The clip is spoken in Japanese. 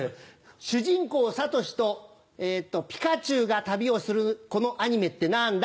主人公サトシとピカチュウが旅をするこのアニメって何だ？